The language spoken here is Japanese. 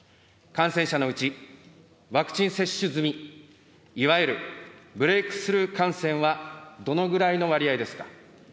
感染者のうち、ワクチン接種済み、いわゆるブレークスルー感染はどのぐらいの割合ですか。